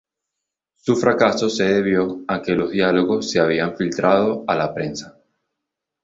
Su fracaso se debió a que los diálogos se habían filtrado a la prensa.